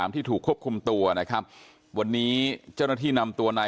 ที่ถูกควบคุมตัวนะครับวันนี้เจ้าหน้าที่นำตัวนาย